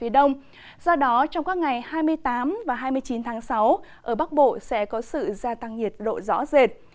do đó trong các ngày hai mươi tám và hai mươi chín tháng sáu ở bắc bộ sẽ có sự gia tăng nhiệt độ rõ rệt